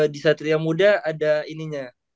di satria muda ada ininya